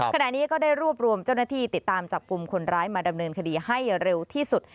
ขณะนี้ก็ได้รวบรวมเจ้าหน้าที่ติดตามจับกลุ่มคนร้ายมาดำเนินคดีให้เร็วที่สุด